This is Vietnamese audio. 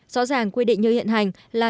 rõ ràng quy định như hiện hành là